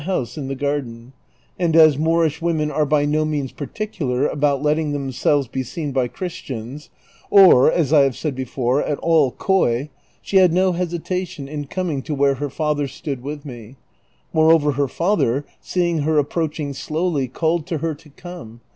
se in the j^ arden, and as Moorish women are by no means particular about letting themselves be seen l)y Chris tians, or, as 1 have said before, at all coy, she had no hesitation in coming to where her father stood with me ; moreover her father, seeing her approaching slowly, called to her to come.